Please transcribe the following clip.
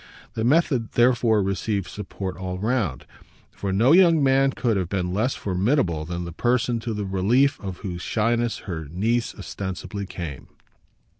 The method therefore received support all round, for no young man could have been less formidable than the person to the relief of whose shyness her niece ostensibly came.